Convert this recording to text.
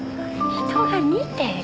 人が見てる。